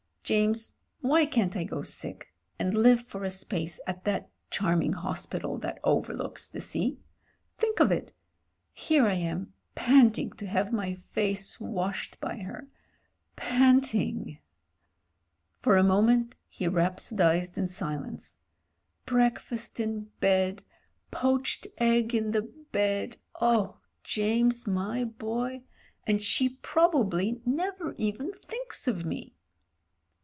James, why can't I go sick — ^and live for a space at that charming hos pital that overlooks the sea ? Think of it : here am I, panting to have my face washed by her, panting " For a moment he rhapsodised in silence. "Breakfast 228 MEN, WOMEN AND GUNS in bed, poached egg in the bed: oh! James, my boy, and she probably never even thinks of me."